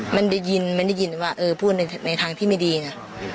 มันได้ยินมันได้ยินว่าเออพูดในทางที่ไม่ดีนะ